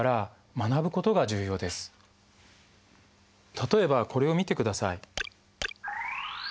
例えばこれを見てください。